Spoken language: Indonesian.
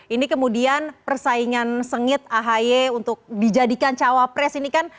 ini kemudian persaingan sengit ahy untuk dijadikan cawapres ini kan